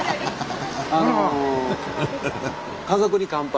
あの「家族に乾杯」。